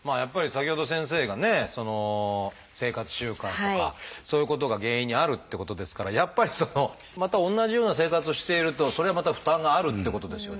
先ほど先生がね生活習慣とかそういうことが原因にあるってことですからやっぱりまた同じような生活をしているとそれはまた負担があるってことですよね。